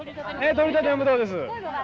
取りたてのブドウです。